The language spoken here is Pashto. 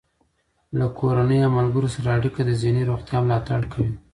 له کورنۍ او ملګرو سره اړیکه د ذهني روغتیا ملاتړ کوي.